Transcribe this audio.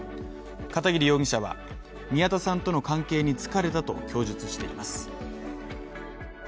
片桐容疑者は宮田さんとの関係に疲れたと供述しています。